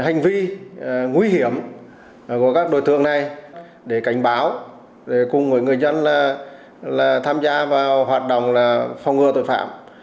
hành vi nguy hiểm của các đối tượng này để cảnh báo để cùng người dân tham gia vào hoạt động phong ngừa tội phạm